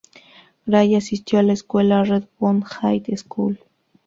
Gray asistió a la escuela Redwood High School.